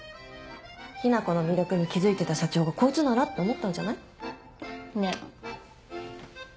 雛子の魅力に気付いてた社長がこいつならって思ったんじゃない？ねぇ。